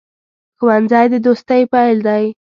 ښوونځی د دوستۍ پیل دی